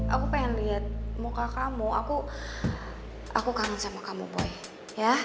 aku pengen lihat muka kamu aku kangen sama kamu boy ya